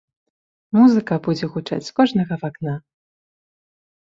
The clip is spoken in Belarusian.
Музыка будзе гучаць з кожнага вакна!